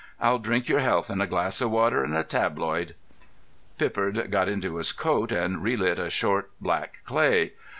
I'll drink your health in a glass of water and a tabloid." Pippard got into his coat and re lit a short black clay.